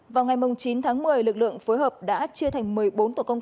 cơ quan cảnh sát điều tra công an tỉnh quảng bình phối hợp với cục cảnh sát điều tra công an